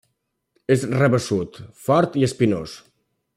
És rabassut, fort i espinós.